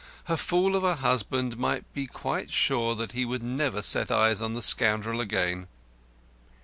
Her fool of a husband might be quite sure he would never set eyes on the scoundrel again.